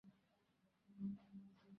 চারুর মুখ লাল হইয়া উঠিল।